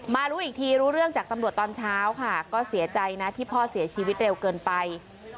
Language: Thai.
รู้อีกทีรู้เรื่องจากตำรวจตอนเช้าค่ะก็เสียใจนะที่พ่อเสียชีวิตเร็วเกินไป